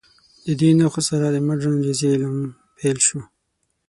د دې نښو سره مډرن ریاضي علم پیل شو.